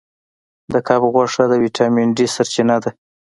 د کب غوښه د ویټامین ډکه سرچینه ده.